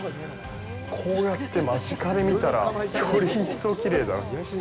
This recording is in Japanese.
こうやって間近で見たらより一層きれいだな。